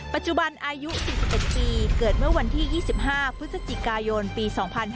ปัจจุบันอายุ๔๑ปีเกิดเมื่อวันที่๒๕พฤศจิกายนปี๒๕๕๙